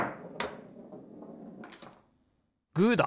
グーだ！